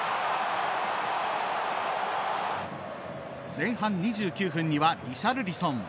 前半２９分には、リシャルリソン。